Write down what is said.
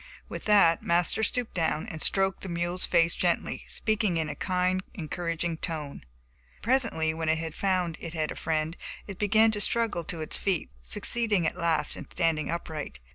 With that Master stooped down and stroked the mule's face gently, speaking in a kind, encouraging tone. Presently when it found it had a friend, it began to struggle to its feet, succeeding at last in standing upright.